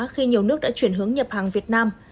khi nhiều nước đã chuyển hướng nhập hàng việt nam